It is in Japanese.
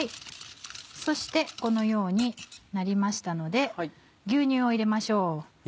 そしてこのようになりましたので牛乳を入れましょう。